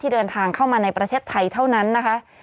เดินทางเข้ามาในประเทศไทยเท่านั้นนะคะ